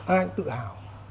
ai cũng tự hào